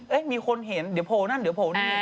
มีคนเห็นเดี๋ยวโผล่นั่นเดี๋ยวโผล่นี่